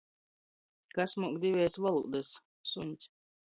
Kas muok divejis volūdys? Suņs.